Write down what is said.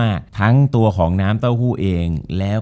จบการโรงแรมจบการโรงแรม